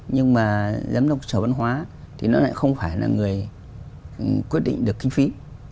nhưng mà giám đốc sở văn hóa thì nó lại không phải là người quyết định được kinh phí